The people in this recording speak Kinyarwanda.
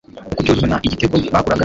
Uko Cyuzuzo na Igitego bakuraga